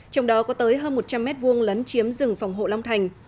trong đó có tới hơn một trăm linh m hai lấn chiếm rừng phòng hộ long thành